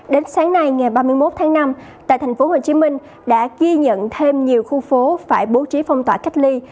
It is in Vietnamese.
đến sáng nay ngày ba mươi một tháng năm tại tp hcm đã ghi nhận thêm nhiều khu phố phải bố trí phong tỏa cách ly